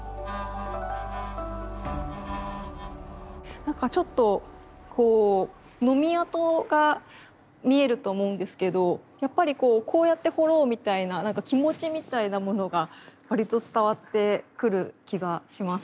なんかちょっとこうノミ跡が見えると思うんですけどやっぱりこうこうやって彫ろうみたいななんか気持ちみたいなものが割と伝わってくる気がします。